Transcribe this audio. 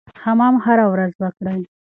حمام هره ورځ وکړئ.